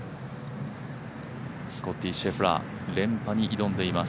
スコッティ・シェフラー、連覇に挑んでいます。